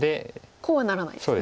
こうはならないんですね。